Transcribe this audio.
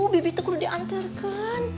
bibi tekudu dianterkan